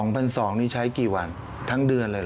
๒๐๐นี่ใช้กี่วันทั้งเดือนเลยเหรอ